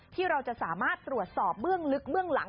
ที่เราจะสามารถตรวจสอบเบื้องลึกเบื้องหลัง